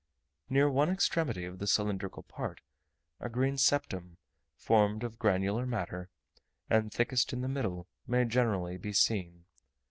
Near one extremity of the cylindrical part, a green septum, formed of granular matter, and thickest in the middle, may generally be seen.